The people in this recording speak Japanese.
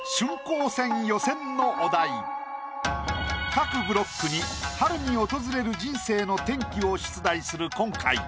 各ブロックに春に訪れる人生の転機を出題する今回。